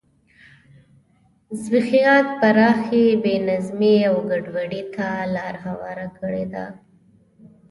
زبېښاک پراخې بې نظمۍ او ګډوډۍ ته لار هواره کړې ده.